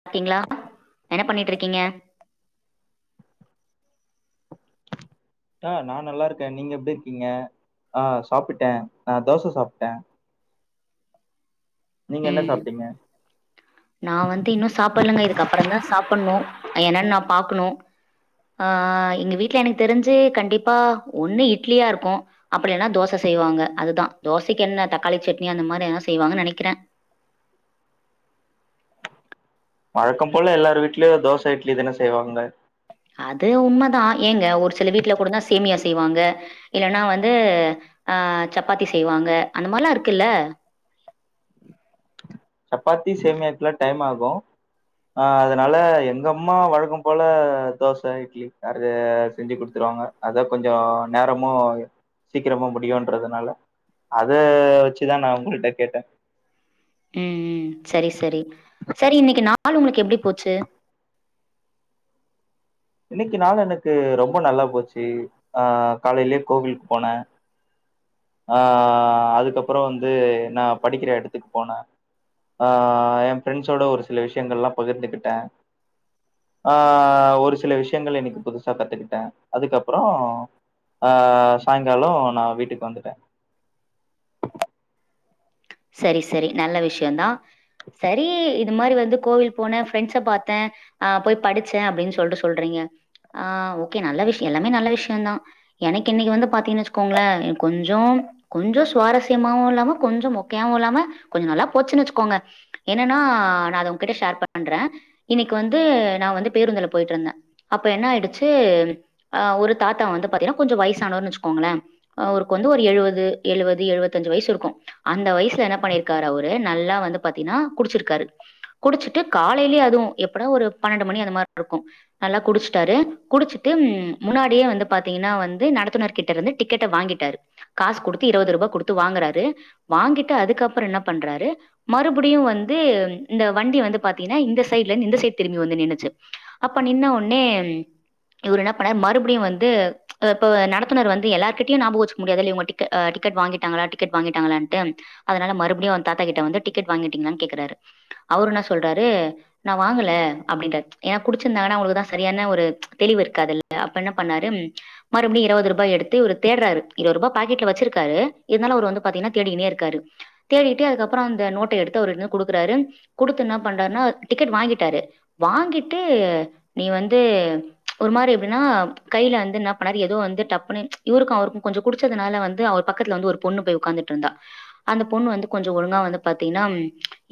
சாப்பிடீங்களா என்ன பண்ணிட்டு இருக்கீங்க ஆஹ் நான் நல்லா இருக்கேன் நீங்க எப்படி இருக்கீங்க ஆஹ் சாப்பிட்டேன் நான் தோசை சாப்பிட்டேன் உம் சாப்ட்டீங்க நான் வந்து இன்னும் சாப்பிடலங்க இதுக்குப்புறம் தான் சாப்பிடணும் என்னன்னு நான் பாக்கணும் ஆஹ் எங்க வீட்டுல எனக்கு தெரிஞ்சு கண்டிப்பா ஒண்ணு இட்லியா இருக்கும் அப்படினா தோசை செய்வாங்க அதுதான் தோசைக்கு என்ன தக்காளி சட்னி அந்த மாதிரி எதன செய்வாங்கன்னு நினைக்கிறேன் வழக்கம் போல எல்லார் வீட்லயும் தோசை இட்லி தானே செய்வாங்க அது உண்மைதான் ஏங்க ஒரு சில வீட்டுல கூடத்தா சேமியா செய்வாங்க இல்லைன்னா வந்து ஆஹ் சப்பாத்தி செய்வாங்க அந்த மாதிரிலாம் இருக்குல்ல சப்பாத்தி சேமியாக்குலாம் டைம் ஆகும் ஆஹ் அதனால எங்க அம்மா வழக்கம் போல தோசை இட்லி அ செஞ்சு குடுத்துருவாங்க அத கொஞ்சம் நேரமோ சீக்கிரமா முடியும்ன்றதுனால அத வச்சுதான் நான் உங்களிட்ட கேட்டேன் உம் செரி செரி செரி இன்னைக்கு நாளு உங்களுக்கு எப்படி போச்சு இன்னைக்கு நாளுஎனக்கு ரொம்ப நல்லா போச்சு அஹ் காலையிலயே கோவிலுக்கு போனேன் ஆஹ் அதுக்கப்புறம் வந்து நான் படிக்கிற இடத்துக்கு போனேன் ஆஹ் என் பிரெண்ட்ஸோட ஒரு சில விஷயங்கள் எல்லாம் பகிர்ந்துகிட்டேன் ஆஹ் ஒரு சில சில விஷயங்கள் இன்னைக்கு புதுசா கத்துக்கிட்டேன் அதுக்கப்புறம் ஆஹ் சாயங்காலம் நான் வீட்டுக்கு வந்துட்டேன் செரி செரி நல்ல விஷயம் தான் செரி இது மாதிரி வந்து கோவில் போனேன் ஃப்ரெண்ட்ஸ பார்த்தேன் ஆஹ் போய் படிச்சேன் அப்படின்னு சொல்லிட்டு சொல்றீங்க ஆஹ் ஓகே நல்ல விஷயம் எல்லாமே நல்ல விஷயம தான் எனக்கு இன்னைக்கு வந்து பாத்தீங்க வச்சுக்கோங்களேன் கொஞ்சம் கொஞ்சம் சுவாரஸ்யமாவும் இல்லாம கொஞ்சம் அதுவும் இல்லாம கொஞ்சம் நல்லா போச்சு வச்சுக்கோங்க என்னன்னா நான் அத உங்க கிட்ட ஷேர் பண்றேன் இன்னைக்கு வந்து நான் வந்து பேருந்துல போயிட்டு இருந்தேன் அப்ப என்ன ஆயிடுச்சு அஹ் ஒரு தாத்தா வந்து பாத்தீங்கன்னா கொஞ்சம் வயசானவருன்னு வச்சுக்கோங்களேன் அவருக்கு வந்து ஒரு எழுவது எழுவது எழுவத்தஞ்சு வயசு இருக்கும் அந்த வயசுல என்ன பண்ணிருக்காரு அவரு நல்லா வந்து பாத்தீங்கன்னா குடிச்சிருக்காரு குடிச்சுட்டு காலையிலயே அதுவும் எப்படா ஒரு பன்னெண்டு மணி அந்த மாதிரி இருக்கும் நல்லா குடிச்சுட்டாரு குடிச்சுட்டு முன்னாடியே வந்து பாத்தீங்கன்னா வந்து நடத்துனர்கிட்ட இருந்து டிக்கெட்டை வாங்கிட்டாரு காசு குடுத்து இருபது ரூபாய் கொடுத்து வாங்குறாரு வாங்கிட்டு அதுக்கப்புறம் என்ன பண்றாரு மறுபடியும் வந்து இந்த வண்டி வந்து பாத்தீங்கன்னா இந்த சைட்ல இருந்து இந்த சைட் திரும்பி வந்து நின்னுச்சு அப்ப நின்ன உனே இவர்ரு என்ன பண்ணாரு மறுபடியும் வந்து இப்ப நடத்துனர் வந்து எல்லாரு்கிட்டையும் ஞாபகம் வச்சுக்க முடியாதுல்ல இவங்க கிட்ட வாங்கிட்டாங்களா டிக்கெட் வாங்கிட்டாங்களா அதனால மறுபடியும் தாத்தா கிட்ட வந்து டிக்கெட் வாங்கிட்டுடிஙகளனு கேட்குறரு அவர் என்ன சொல்லுறர்ரு நான் வாங்கல அப்படினுட்டார் ஏனா குடிச்சியிருந்தஙகனா சரியான ஒரு தெளிவு இருக்காதுல அப்ப என்ன பண்ணாரு மறுபடியும் இருபது ரூபாய் எடுத்து இவரு தேடுறாரு இருபது ரூபாய் பாக்கெட்ல வச்சு இருக்காரு இருந்தாலும் அவரு வந்து பார்த்தீங்கன்னா தேடினே இருக்காரு தேடிட்டே அதுக்ப்புறம் அந்த நோட்டை எடுத்து அவருட்ட கொடுக்குறாரு கொடுத்து என்ன பண்ணாருண்ணா டிக்கெட் வாங்கிட்டாரு வாங்கிட்டு நீ வந்து ஒரு மாரி எப்படின்னா கையில வந்து என்னா பண்ணாரு எதோ வந்து டப்புனு இவருக்கும் அவருக்கும் கொஞ்சம் குடிச்சதுனால வந்து பக்கத்துல வந்து பொண்ணு போய் உ்க்காந்து அந்த பொண்ணு வந்து கொஞ்சம் ஒழுங்கா வந்து பாத்தீங்கன்னா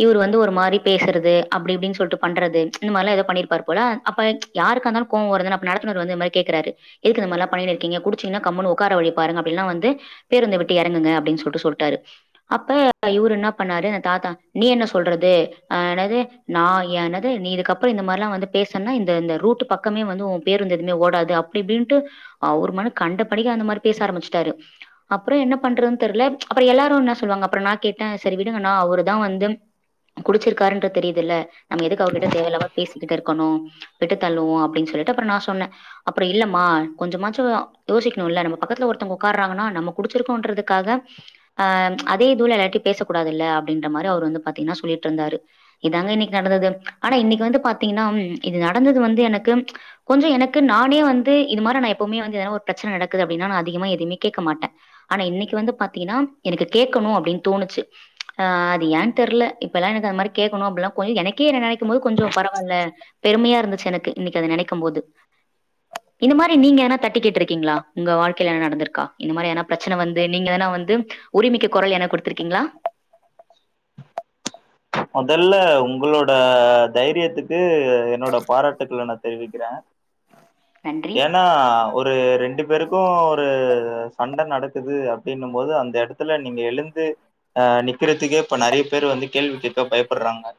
இவர் வந்து ஒரு மாதிரி பேசுறது அப்படிப்படின்னு சொல்லிட்டு பண்றது இந்த மாதிரி எதாவது பண்ணிருப்பாரு போல அப்ப யாருக்க இருந்தாலும் கோவம் வரும் தானே நடத்துனர் வந்து கேக்குறாரு இதுக்கு இந்த மாதிராம் பண்ணிட்டு இருக்கீங்க குடிச்சீங்கன்னா கம்முனு உ்க்கார வழி பாருங்க அப்படின்ல்லாம் வந்து பேருந்து விட்டு இறங்க அப்டின்னு சொல்லிட்டு போட்டாரு அப்ப இவுரு ன்ன பண்ணாரு தாத்தா நீ என்ன சொல்றது ஆ நேது நா என்னது நீ இதுக்கப்புற இந்த மார்ல வந்து பேசன இந்த இந்த ரூட்டு பக்கமே வந்து உ பேருந்து எதுமே ஓடாது அப்டி இப்படின்ட்டு அவுரு மேல கண்ட படிக அந்த மாரி பேச ஆரம்பிச்ட்டாரு அப்புற என்ன பண்றதுன் தெர்ல அப்புறம் எல்லாரும் என்ன சொல்லுவாங்க அப்புறம் நான் கேட்டேன் சரி விடுங்கண்ணா அவரு தான் வந்து குடிச்சிருக்காருன்ற தெரியுதுல்ல நம்ம எதுக்கு அவர்கிட்ட தேவையில்லாம பேசிக்கிட்டு இருக்கணும் விட்டு தள்ளுவோம் அப்படின்னு சொல்லிட்டு அப்புறம் நான் சொன்னேன் அப்புறம் இல்லம்மா கொஞ்சமாச்சம் யோசிக்கணும் இல்ல நம்ம பக்கத்துல ஒருத்தவங்க உட்காடுறாங்கன்னா நம்ம குடிச்சிருக்கோன்றதுக்காக ஆஹ் அதே தூள எல்லாட்டையும் பேச கூடாதுல்ல அப்படின்ற மாதிரி அவர் வந்து பாத்தீங்கன்னா சொல்லிட்டு இருந்தாரு இதாங்க இன்னைக்கு நடந்தது ஆனா இன்னைக்கு வந்து பாத்தீங்கன்னா இது நடந்தது வந்து எனக்கு கொஞ்சம் எனக்கு நானே வந்து இது மாதிரி நான் எப்பவுமே வந்து ஏதனா ஒரு பிரச்சனை நடக்குது அப்படின்னா நான் அதிகமா எதுவுமே கேட்க மாட்டேன் ஆனா இன்னைக்கு வந்து பாத்தீங்கன்னா எனக்கு கேடணும் அப்படின்னு தோணுச்சு அ அது ஏன்னு தெரியல இப்பெல்லாம் எனக்கு அது மாதிரி கேட்கணும் அப்படல்லாம் கொஞ்சம் எனக்கே என்ன நின போது கொஞ்சம் பரவாயில்ல பெருமையா இருந்த ச்ச எனக்கு இன்னிக்கு அத நெனைக்கும் போது இந்த மாரி நீங்க ஏனா தட்டி கேட்டு இருக்கீங்களா உங்க வாழ்க்கையல நடந்துருக்கா இந்த மாரி எதுனா ப்ரச்சனை வந்து நீங்க எதுனா வந்து உரிமைக்கு கொரல் என குடுத்தருக்கீங்களா மொதல்ல உங்களோட தைரியத்துக்கு என்னோட பாராட்டுக்கள நா தெரிவிக்கிறே நன்றி ஏனா ஒரு ரெண்டு பேருக்கும் ஒரு சண்ட நடக்குது அப்டின்னும் போது அந்த எடத்துல நீங்க எழுந்து ஆ நிக்கறதுக்கே இப்ப நறைய பேர் வந்து கேள்வி கேக்க பயப்படறாங்கோ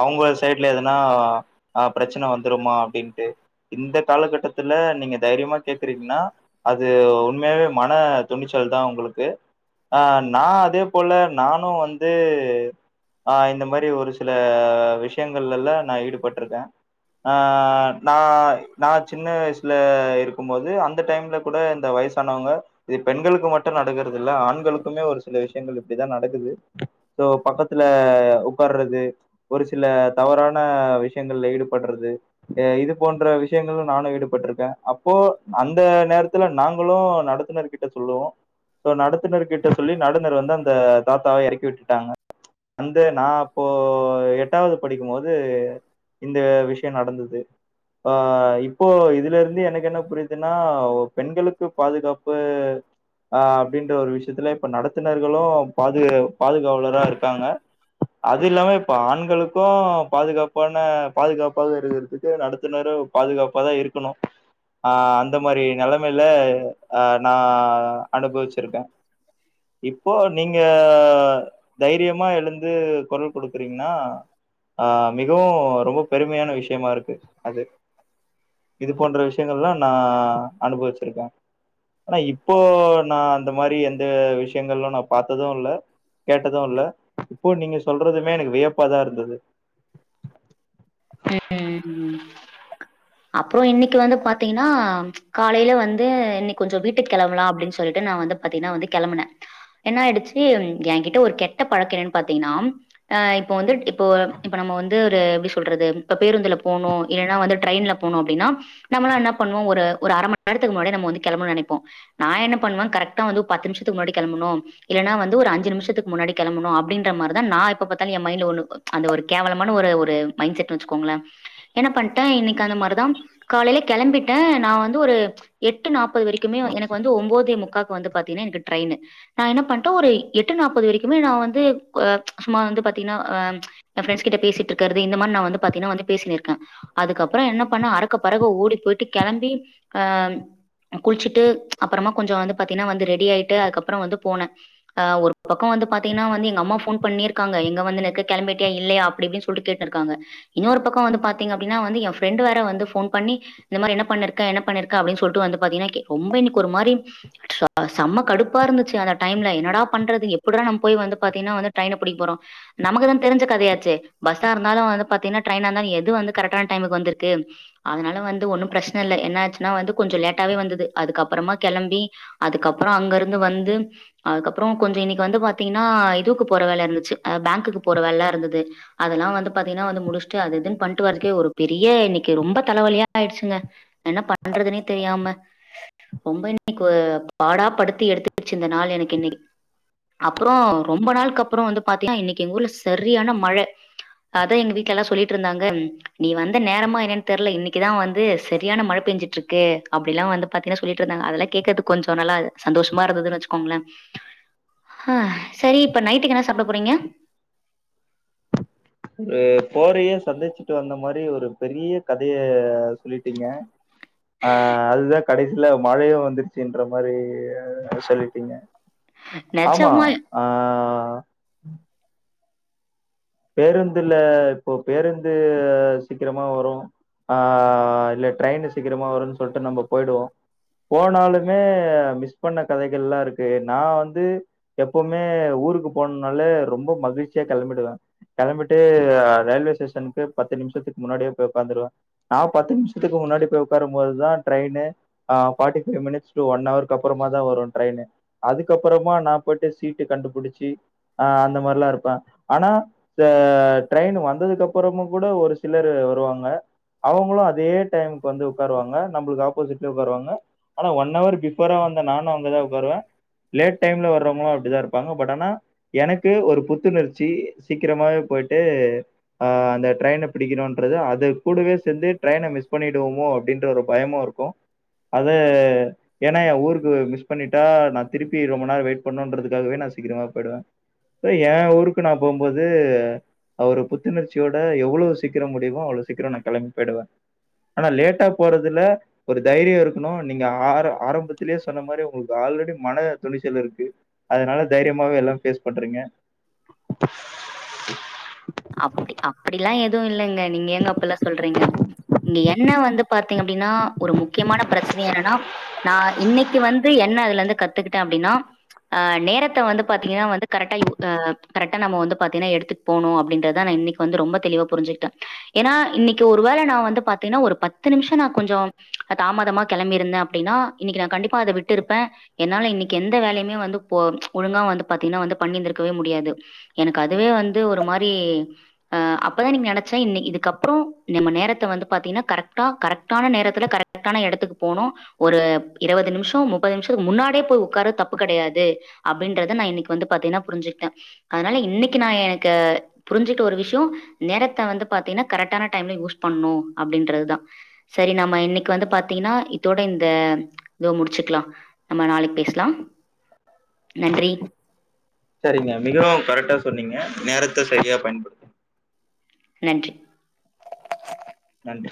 அவுங்க சைட்ல எதனா ஆ ப்ரச்சன வந்துருமா அப்படின்ட்டு இந்த காலகட்டத்தில்லா நீங்க தைரியம்மா கேக்கறீங்கன்னா அது உண்மையாவே மன துணிச்சல் தா உங்களுக்கு ஆ நா அதே போல நானு வந்து ஆ இந்த மாரி ஒரு சில விஷயங்கள்லல்லா நா ஈடுபட்ருக்கே ஆ நா நா சின்ன வயசுல இருக்கும் போது அந்த டைம்ல கூட இந்த வயசானவங்க இது பெண்களுக்கு மட்டு நடக்கறது இல்லா ஆண்களுக்குமே ஒரு சில விஷயங்கள் இப்படிதா நடக்குது சோ பக்கத்துல உக்கார்றது ஒரு சில தவறான விஷயங்கள்ல ஈடுபடறது அ இது போன்ற விஷ் யங்கள நானு ஈடுபட்ருக்கே அப்போ அந்த நேரத்துலா நாங்களு நடத்துனர் கிட்ட சொல்லுவோ சோ நடத் துநர் கிட்ட சொல்லி நடந்துனர் வந்து அந்த தாத்தாவ எறக்கிவிட் ட்டங்க அந்த நா அப்போ எட்டாவது படிக்கும்போது இந்த விஷயம் நடந்தது ஆ இப் ப்போ இதுல இருந்து எனக்கு என்ன புரியுதுன்னா பெண்களுக்கு பாதுகாப்பு ஆ அப்டின்ற ஒரு விஷயத்துல இப்ப நடத்துனர்களு. பாது பாதுகாவலரா இருக்காங்க அது இல்லாம இப்ப ஆண்களுக்கு பாதுகாப்பான பாதுகாப்பாக இருக்கறதுக்கு நடத் கொஞ்ச நேர பாதுகாப்ப தா இருக்கணு ஆ அந்த மாரி நெலைமையல ஆ நா அனுபவிச்சிருக்கே இப்போ நீங்க தைரியம்மா எழுந்து கொரல் குடுக்குறீங்கன்ன ஆ மிகவு ரொம்ப பெருமையான விஷயம்மா இருக்கு இது போன்ற விஷயங்கள்ள நா அனுபவிச்சிருக்கே ஆனா இப்போ நா அந்த மாரி எந்த விஷயங்கள்ள நா பாத்தது இல்ல கேட்டது இல்ல இப்போ நீங்க சொல்றதுமே எனக்கு வியப்பாதா இருந்தது அப்புற இன்னிக்கு வந்து பாத்தீங்கன்னா ம் காலையல வந்து இன்னிக் கொஞ்ச வீட்டு கெளம்பலா அப்படின் சொல்ட்டு நா வந்து பாத்தீங்கன்னா வந்து கெளம்பனே என்ன ஆய்டுச்சு ம் எங்கிட்ட ஒரு கெட்ட பழக்க என்னன் பாத்தீங்கன்னா ஆ இப்போ வந்து இப்போ இப்ப நம்ம வந்து ஒரு விஷ் அப்டி சொல்றது இப்போ பேருந்துல போனோ இல்லனா வந்து ட்ரெயின்ல போனோ அப்டின்னா நம்மள என்ன பண்ணுவோ ஒரு ஒரு அர மணி நேரத்துக்கு முன்னாடி நம்ம வந்து கெளம்பனு நெனைப்போ நா என்ன பண்ணுவே கரெட்டா வந்து பத்து நிமிஷத்துக்கு முன்னாடி கெளம்பனு இல்லனா வந்து ஒரு அஞ்சு நிமிஷத்துக்கு முன்னாடி கெளம்பனு அப்டிங்கற மாரி தா நா எப்ப பாத்தாலு எ மைண்ட்ல அந்த ஒரு கேவலமான ஒரு ஒரு மைண்ட செட் வச்சுக்கோங்களே என்ன பண்ட்ட இன்னிக்கு அந்த மாரிதா காலையல கெளம்பிட்டே நா வந்து ஒரு எட்டு நாப்பது வரைக்குமே வ எனக்கு வந்து ஒம்பதே முக்காக்கு வந்து பாத்தீங்கன்னா எனக்கு ட்ரெயின்னு ஆ நா என்ன பண்ட்டே ஒரு எட்டு நாப்பது வரைக்குமே நா வந்து் ப்ப சுமமா வந்து பாத்தீங்கன்னா ஆ ம் எ ஃப்ரெண்ட்ஸ் கிட்ட பேசிட்டு இருக்கற இந்த மார் நா வந்து பாத்தீங்கன்னா வந்து பேசிகின்னு இருக்கே அதுக்கப்புற என்ன பண்ண அறக்க பறக ஓடி போய்ட்டு கெளம்பி ஆ ம் குள்ச்சுட்டு அப்புறமா கொஞ்ச வந்து பாத்தீங்கன்னா வந்து ரெடி ஆயிட்டு அதுக்கப்புற வந்து போன ஆ ஒரு பக்க வந்து பாத்தீங்கன்னா வந்து எங்க அம்மா ஃபோன் பண்ணிருக்காங்க எங்க வந்துன்னு இருக்க கெளம்பிட்டியா இல்லையா அப்டி இப்டி சொல்ட்டு கேட்டு இருக்காங்க இன்னொரு பக்க வந்து பாத்தீங்க அப்டின்னா வந்து எ ஃப்ரெண்டு வேற வந்து ஃபோன் பண்ணி இந்த மாரி என்ன பண்ணி இருக்க என்ன பண்ணி இருக்க அப்டின் சொல்ட்டு வந்து பாத்தீங்கன்னா க்கு ரொம்ப இன்னிக்கு ஒரு மாரி ச செம்ம கடுப்பா இருந்துச்சு அந்த டைம்ல என்னடா பண்றது எப்டிட. நம் போய் வந்து பாத்தீங்கன்னா அந்த ட்ரெய்ன புடிக்க போறோ நமக்குதா தெரிஞ்ச கதையாச்சே பஸ்ஸா இருந்தாலு. வந்து பாத்தீங்கன்னா ட்ரெயினா இருந்தாலு எது வந்து கரெட்டான டைமுக்கு வந்துருக்கு அதனால வந்து ஒன்னு ப்ரச்சன இல்ல என்னாச்சுன்னா வந்து கொஞ்ச லேட்டாவே வந்தது அதுக்கப்புறமா கெளம்பி அதுக்கப்புற அங்க இருந்து வந்து அதுக்கப்புற கொஞ்ச இன்னிக்கு வந்து பாத்தீங்கன்னா இதுக்கு போற வேல இருந்துச்சு ஆ பேங்க்குக்கு போற வேல இருந்தது அதெல்லா வந்து பாத்தீங்கன்னா வந்து முடிச்சுட்டு அது எதுன்னு பண்ட்டு வருக்கே ஒரு பெரிய இன்னிக்கு ரொம்ப தலைவலியா ஆயிடுச்சுங்க என்ன பண்றதுனே தெரியாம்ம ரொம்ப இன்னிக்கு ஓ பாடா படுத்தி எடுத்துடுச்சு இந்த நாள் எனக்கு இன்னிக் அப்புற ரொம்ப நாள் அப்புற வந்து பாத்தீங்கன்னா இன்னிக்கு எங்க ஊருல சரியான மழ அது எங்க வீட்லல்லா சொல்லிட்டு இருந்தாங்க ம் நீ வந்த நேரம்மா என்னன் தெர்ல இன்னிக்கு தா வந்து சரியான மழ பெஞ்சுட்டு இருக்கு அப்டில்லா வந்து பாத்தீங்கன்னா சொல்லிட்டு இருந்தாங்க அதெல்லா கேக்கறதுக் கொஞ்ச நல்லா சந்தோஷமா இருந்ததுன் வச்சுக்கோங்களே ஆ சரி இப்ப நைட்டுக்கு என்ன சாப்ட போறீங்க ஒரு போரையே சந்திச்சுட்டு வந்த மாரி ஒரு பெரிய கதையே சொல்லிட்டீங்க ஆ அதுதா கடைசில மழயே வந்துருச்சுன்ற மாரி சொல்லிட்டீங்க ஆமா நிஜமா ஆ உம் பேருந்துல இப்போ பேருந்து சீக்கிரமா வரும் ஆ இல்ல ட்ரெயின்னு சீக்கிரமா வருனு சொல்ட்டு நம்ப போயிடுவோ போனாலுமே மிஸ் பண்ண கதைகள்ல்லா இருக்கு நா வந்து எப்பமே ஊருக்கு போனால ரொம்ப மகிழ்ச்சியா கெளம்பிடுவே கெளம்பிட்டு ஆ ரயில்வே ஸ்டேஷனுக்கு பத்து நிமிஷத்துக்கு முன்னாடியே போய் ஓக்காந்துருவே நா பத்து நிமிஷத்துக்கு முன்னாடி போய் ஓக்காரும் போதுதா டிரெயின்னு ஆ forty five minutes to one ஹவுர்க்கு அப்புறமா தா வரு ட்ரெயின்னு அதுக்குக்கப்புறமா நா போயிட்டு சீட்டு கண்டுபுடிச்சு ஆ அந்த மாரில்லா இருப்பே ஆனா இந்த ட்ரெயின் வந்ததுக்கு அப்புறமும் கூட ஒரு சிலரு வருவாங்க அவங்களு அதே டைம்க்கு வந்து ஓக்காருவாங்க நம்பளுக்கு ஆப்போசிட்ல ஓக்காருவாங்க ஆனா ஒன் ஹவர் பிஃபோர வந்த நானு அங்கதா ஓக்காருவே லேட் டைம்ல வர்றவங்களு அப்டிதா இருப்பாங்க பட் ஆனா எனக்கு ஒரு புத்துணர்ச்சி சீக்கிரமாவே போயிட்டு ஆ அந்த ட்ரெயனை பிடிக்கணும்ன்றது அது கூடவே சேந்து ட்ரெயின மிஸ் பண்ணிடுவோமோ அப்டின்ற ஒரு பயமும் இருக்கும் அத ஏன்னா எ ஊருக்கு மிஸ் பண்ணிட்டா நா திருப்பி ரொம்ப நேரம் வெயிட் பண்ணுன்றதுக்காகவே நா சீக்கிரமா போயிடுவே எ ஊருக்கு நா போம்ப போது அவரு புத்துணர்ச்சியோட எவ்ளோ சீக்கிரம் முடியுமோ அவ்ளோ சீக்கிரம் நா கெளம்பி போயிடுவே ஆனா லேட்டா போறதுல ஒரு தைரியம் இருக்கணு நீங்க ஆ. ஆரம் ஆரம்பத்திலயே சொன்ன மாரி வாழ்றதுக்கு மன துணிச்சல் இருக்கு அதனால தைரியமாவே எல்லா ஃபேஸ் பண்றிங்க அப்டி அப்டிலா எதுவு இல்லங்க நீங்க ஏங்க அப்புல்லா சொல்றீங்க இங்க என்ன வந்து பாத்தீங்க அப்டின்னா ஒரு முக்கியமான ப்ரச்சனை என்னன்னா நா இன்னிக்கு வந்து என்ன அதுலந்து கத்துக்கிட்டே அப்டினா ஆ நேரத்த வந்து பாத்தீங்கன்னா வந்து கரெட்டா யூ ஆ கரெட்டா நம்ம வந்து பாத்தீங்கன்னா எடுத்துட் போனும் அப்டின் அதா நா இன்னிக்கு வந்து நா ரொம்ப தெளிவா புரிஞ்சுகிட்டே ஏனா இன்னிக்கு ஒரு வேல நா வந்து பாத்தின்ன ஒரு பத்து நிமிஷ நா கொஞ்சம் அ தாமதம்மா கெளம்பிருந்தே அப்டின இன்னிக்கு நா கண்டிப்பா அத விட்டு இருப்பே என்னால இன்னிக்கு எந்த வேலையுமே. வந்து போ ஒழுங்கா வந்து பாத்திகன்ன வந்து. பண்ணி இருந்துக்கவே முடியாது எனக்கு அதுவே வந்து ஒரு மார் பே ஆ அப்பதா நீங் நெனச்சே இன்னிக்கு இதுக்கப்புற நம்ம நேரத்த வந்து பாத்தீங்கன்னா கரெட்டா கரெட்டா ஆன நேரத்துல கரெட்டான எடத்துக்கு போனோ ஒரு ப் இருவது நிமிஷம் முப்பது நிமிஷம் முன்னாடியே போய் ஓக்காரது தப்பு கெடையாது அப்டின்றத நா இன்னிக்கு வந்து பாத்தீங்கன்னா புரிஞ்சுட்டே அதனால இன்னிக்கு நா எனக்கு புரிஞ்சுட்டு ஒரு விஷயம் நேரத்த வந்து பாத்தீங்கன்னா கரெட்டான டைம்ல யூஸ் பண்ணு அப்டின்றதுதா சரி நம்ம இன்னிக்கு வந்து பாத்தீங்கன்னா இதோட இந்த இதோ முடிச்சுக்கலா நம்ம நாளைக்கு பேசலாம் நன்றி சரிங்க மிகவும் கரெட்டா சொன்னீங்க நேரத்த சரியா பயன் நன்றி நன்றி.